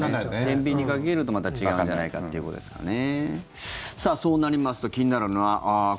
てんびんにかけるとまた違うんじゃないかということですかね。